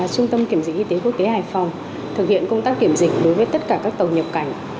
trung tâm kiểm dịch y tế quốc tế hải phòng thực hiện công tác kiểm dịch đối với tất cả các tàu nhập cảnh